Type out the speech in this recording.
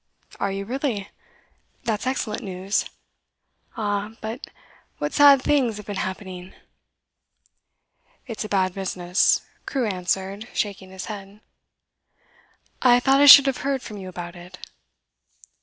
'Are you really? That's excellent news. Ah, but what sad things have been happening!' 'It's a bad business,' Crewe answered, shaking his head. 'I thought I should have heard from you about it.